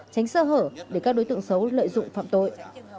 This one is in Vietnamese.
tránh sơ hở để các đối tượng xấu lợi dụng phạm tội